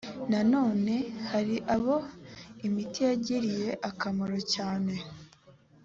nanone hari abo imiti yagiriye akamaro cyane